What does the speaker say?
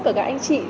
của các anh chị